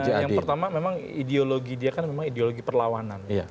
yang pertama memang ideologi dia kan ideologi perlawanan